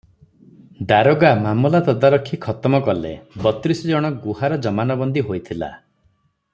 ଦାରୋଗା ମାମଲା ତଦାରଖି ଖତମ କଲେ; ବତ୍ରିଶ ଜଣ ଗୁହାର ଜମାନବନ୍ଦୀ ହୋଇଥିଲା ।